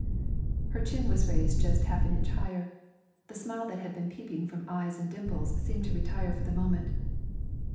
Her chin was raised just half an inch higher; the smile that had been peeping from eyes and dimples seemed to retire for the moment.